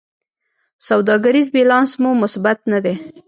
سوداګریز بیلانس مو مثبت نه دی.